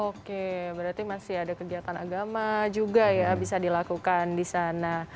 oke berarti masih ada kegiatan agama juga ya bisa dilakukan di sana